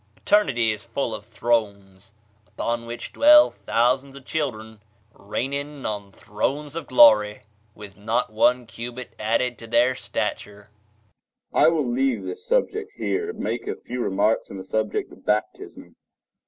Eternity is full of thrones, upon which dwell thousands of children reigning on thrones of glory, with not one cubit added to their stature. Baptism[edit] I will leave this subject here, and make a few remarks on the subject of baptism.